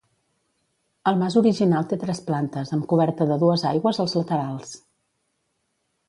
El mas original té tres plantes amb coberta de dues aigües als laterals.